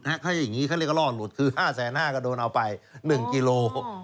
เขาอย่างนี้เขาเรียกว่าล่อหลุดคือ๕๕๐๐ก็โดนเอาไป๑กิโล